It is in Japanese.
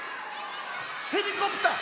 ヘリコプター。